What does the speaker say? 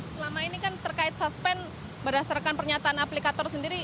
selama ini kan terkait suspend berdasarkan pernyataan aplikator sendiri